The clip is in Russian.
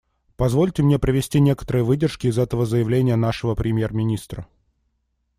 Позвольте мне привести некоторые выдержки из этого заявления нашего премьер-министра.